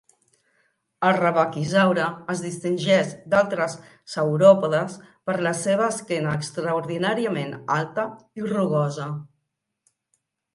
El "rebaquisaure" es distingeix d'altres sauròpodes per la seva esquena extraordinàriament alta i rugosa.